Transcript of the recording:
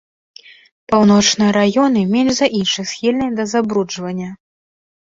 Паўночныя раёны менш за іншых схільныя да забруджвання.